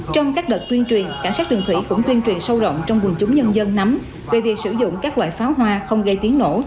trong các đợt tuyên truyền cảnh sát đường thủy cũng tuyên truyền sâu rộng trong quần chúng nhân dân nắm về việc sử dụng các loại pháo hoa không gây tiếng nổ